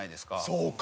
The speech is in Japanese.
そうか。